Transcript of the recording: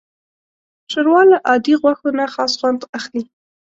ښوروا له عادي غوښو نه خاص خوند اخلي.